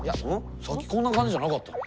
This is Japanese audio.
さっきこんな感じじゃなかったで。